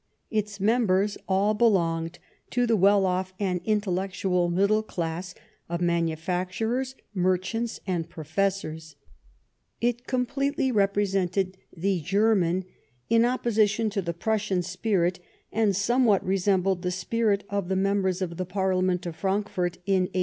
Its members all belonged to the well off and intel lectual middle class of manufacturers, merchants and professors ; it completely represented the German, in opposition to the Prussian spirit, and somewhat resembled the spirit of the members of the Parliament of Frankfort in 1848.